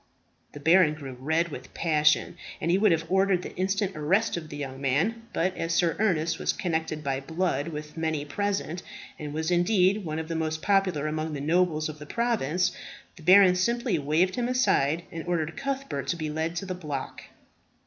The baron grew red with passion, and he would have ordered the instant arrest of the young man, but as Sir Ernest was connected by blood with many present, and was indeed one of the most popular among the nobles of the province, the baron simply waved him aside, and ordered Cuthbert to be led to the block.